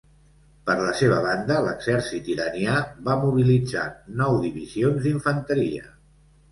Per la seva banda, l'exèrcit iranià va mobilitzar nou divisions d'infanteria.